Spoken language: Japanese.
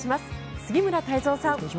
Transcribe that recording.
杉村太蔵さん。